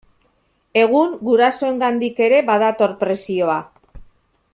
Egun gurasoengandik ere badator presioa.